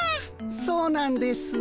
そうなんです。